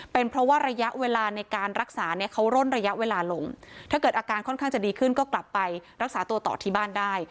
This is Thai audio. เป็นเพราะว่าระยะเวลาในการรักษาเนี่ยเขาร่นระยะเวลาลงถ้าเกิดอาการค่อนข้างจะดีขึ้นก็กลับไปรักษาตัวต่อที่บ้านได้